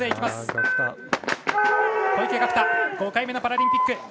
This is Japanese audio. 小池岳太５回目のパラリンピック。